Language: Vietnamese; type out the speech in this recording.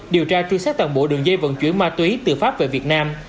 điều tra truy xét toàn bộ đường dây vận chuyển ma túy từ pháp về việt nam